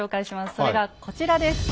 それがこちらです。